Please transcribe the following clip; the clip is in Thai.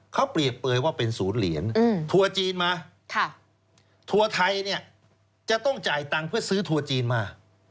เขาเปรียบเปลยว่าเป็นศูนย์เหรียญทัวร์จีนมาทัวร์ไทยเนี่ยจะต้องจ่ายตังค์เพื่อซื้อทัวร์จีนมา